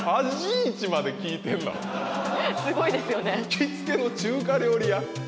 行きつけの中華料理屋